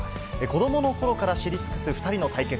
子どものころから知り尽くす２人の対決。